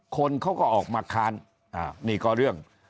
คนเขาก็ออกมาค้านนี่ก็เรื่อง